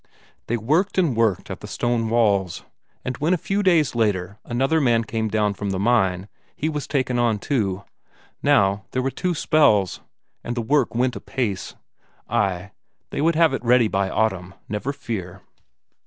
They worked and worked at the stone walls, and when a few days later another man came down from the mine, he was taken on too; now there were two spells, and the work went apace. Ay, they would have it ready by the autumn, never fear.